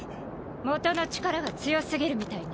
元の力が強すぎるみたいね。